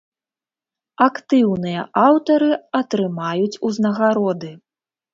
Актыўныя аўтары атрымаюць узнагароды.